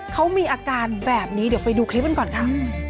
เขามีอาการแบบนี้เดี๋ยวไปดูคลิปกันก่อนค่ะ